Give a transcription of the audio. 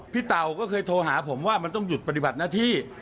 เต่าก็เคยโทรหาผมว่ามันต้องหยุดปฏิบัติหน้าที่